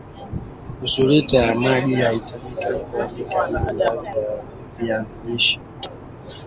nusulita ya maji yatahitajika kukandia maandazi ya viazi lishe